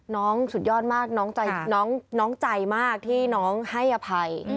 สุดยอดมากน้องใจมากที่น้องให้อภัย